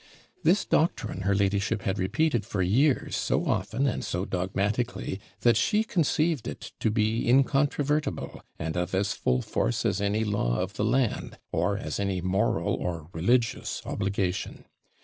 This doctrine her ladyship had repeated for years so often and so dogmatically, that she conceived it to be incontrovertible, and of as full force as any law of the land, or as any moral or religious obligation.